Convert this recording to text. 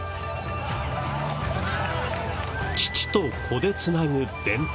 父と子でつなぐ伝統。